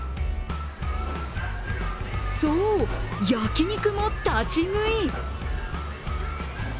そう、焼き肉も立ち食い。